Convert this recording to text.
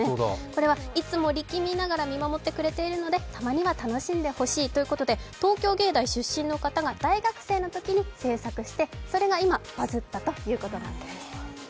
これはいつも力みながら見守ってくれているので楽しんでほしいという思いで東京芸大出身の方が大学生のときに制作してそれが今、バズったということなんです。